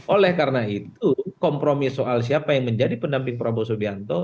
oleh karena itu kompromi soal siapa yang menjadi pendamping prabowo subianto